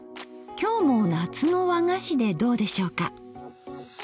今日も夏の和菓子でどうでしょうか。